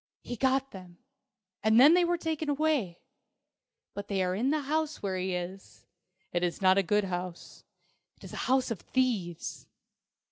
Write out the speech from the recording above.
"He got them and then they were taken away. But they are in the house where he is. It is not a good house. It is a house of thieves.